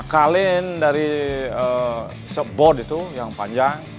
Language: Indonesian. nah kalian dari shop board itu yang panjang